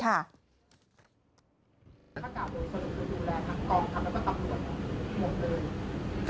ถ้าจากโดยสนุกดูแลทางกองทำอะไรก็ตำรวจหรือห่วงด้วย